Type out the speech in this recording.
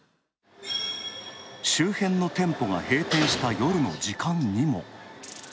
周辺の店舗が閉店した夜の時間にも。